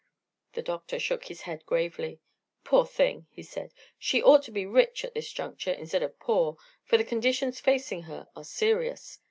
The doctor shook his head gravely. "Poor thing!" he said. "She ought to be rich, at this juncture, instead of poor, for the conditions facing her are serious.